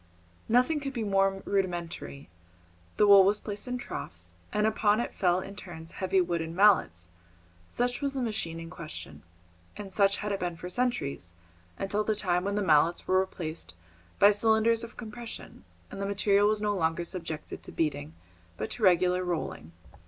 Nothing could be more rudimentary. The wool was placed in troughs, and upon it fell in turns heavy wooden mallets, such was the machine in question, and such it had been for centuries until the time when the mallets were replaced by cylinders of compression, and the material was no longer subjected to beating, but to regular rolling.